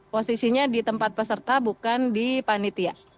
posisinya di tempat peserta bukan di panitia